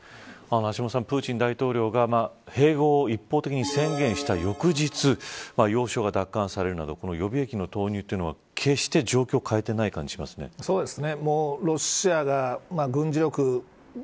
橋下さん、プーチン大統領が併合を一方的に宣言した翌日要衝が奪還されるなどこの予備役の投入というのは決して状況を変えていない感じがしますね。